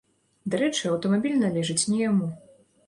Дарэчы, аўтамабіль належыць не яму.